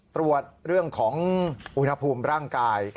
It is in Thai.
ตรวจเรื่องของอุณหภูมิร่างกาย